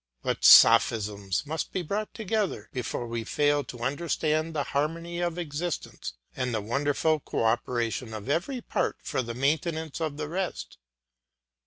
What sophisms must be brought together before we fail to understand the harmony of existence and the wonderful co operation of every part for the maintenance of the rest?